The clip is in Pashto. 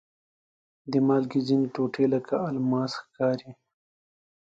د مالګې ځینې ټوټې لکه الماس ښکاري.